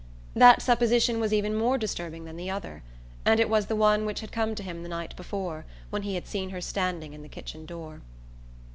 That supposition was even more disturbing than the other; and it was the one which had come to him the night before, when he had seen her standing in the kitchen door.